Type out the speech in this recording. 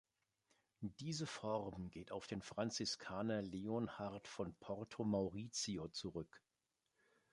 Diese Form geht auf den Franziskaner Leonhard von Porto Maurizio zurück.